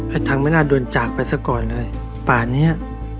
ไอ้ทั้งไม่น่าด่วนจากไปสักก่อนเลยป่านเนี้ย